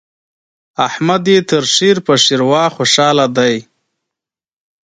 احمد يې تر شير په شېروا خوشاله دی.